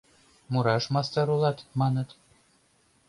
Мураш мастар улат, маныт.